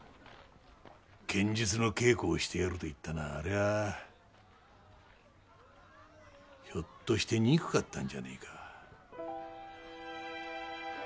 剣術の稽古をしてやると言ったのはあれはひょっとして憎かったんじゃねえか。